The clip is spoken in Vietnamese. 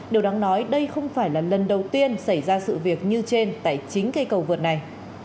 điều đáng nói đây không phải là lần đầu tiên xảy ra sự việc như trên tại chính cây cầu vượt này